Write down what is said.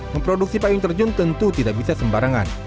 memproduksi payung terjun tentu tidak bisa sembarangan